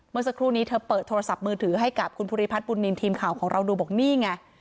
เมื่อสักครู่นี้เธอเปิดโทรศัพท์มือถือให้กับคุณภูริพัฒนบุญนินทีมข่าวของเราดูบอกนี่ไง